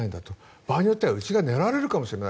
場合によってはうちが狙われるかもしれない。